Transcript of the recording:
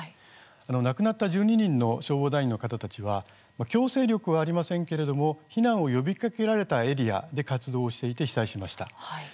亡くなった１２人の消防団員の方たちは強制力はありませんけれども避難を呼びかけられたエリアで活動していて被災しました。